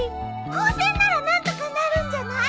風船なら何とかなるんじゃない。